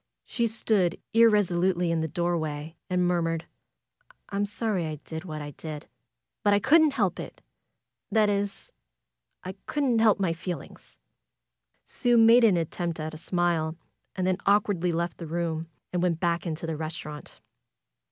She stood irresolutely in the doorway and murmured: ^M'm sorry I did what I did ; but I couldn't help it. That is, I couldn't help my feelings." Sue made an attempt at a smile, and then awkwardly left the room, and went back into the restaurant.